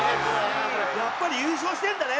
やっぱり優勝してるんだね